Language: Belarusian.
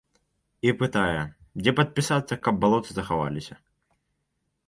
І пытае, дзе падпісацца, каб балоты захавалася.